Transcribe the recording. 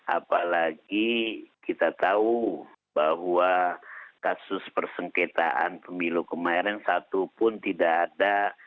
apalagi kita tahu bahwa kasus persengketaan pemilu kemarin satu pun tidak ada